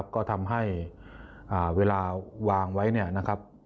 ก็ทำให้เวลาวางไว้เนี่ยนะครับ